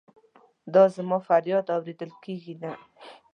دا زما فریاد اورېدل کیږي کنه؟